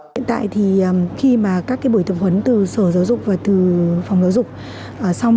hiện tại thì khi mà các cái buổi tập huấn từ sở giáo dục và từ phòng giáo dục xong